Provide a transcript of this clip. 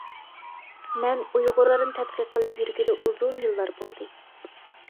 مەن، ئۇيغۇرلارنى تەتقىق قىلىپ يۈرگىلى ئۇزۇن يىللار بولدى.